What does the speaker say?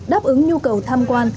đáp ứng nhu cầu thăm quan